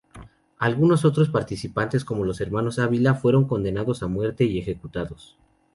Algunos otros participantes, como los hermanos Ávila, fueron condenados a muerte y ejecutados.